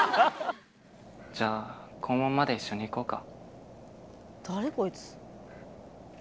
じゃあ校門まで一緒に行こうか。